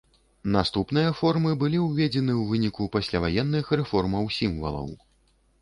Наступныя формы былі ўведзены ў выніку пасляваенных рэформаў сімвалаў.